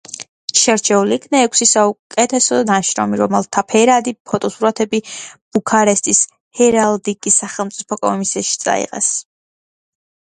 შერჩეულ იქნა ექვსი საუკეთესო ნაშრომი, რომელთა ფერადი ფოტოსურათები ბუქარესტის ჰერალდიკის სახელმწიფო კომისიაში წაიღეს.